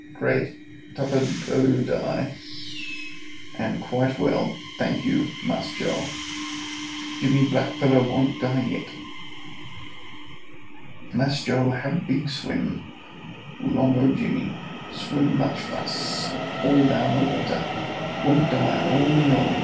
Great tupid go die when quite well, tank you, Mass Joe. Jimmy black fellow won't die yet? Mass Joe hab big swim 'long o' Jimmy. Swim much fass all down a water. Won't die, oh no!